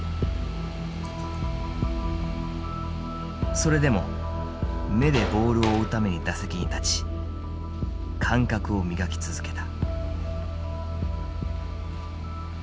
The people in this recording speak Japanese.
それでも目でボールを追うために打席に立ち感覚を磨き続けた。